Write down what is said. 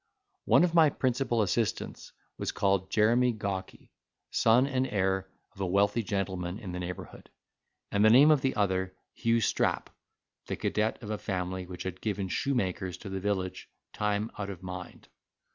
One of my principal assistants was called Jeremy Gawky, son and heir of a wealthy gentleman in the neighbourhood; and the name of the other, Hugh Strap, the cadet of a family which had given shoemakers to the village time out of mind.